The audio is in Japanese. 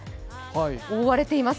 覆われています。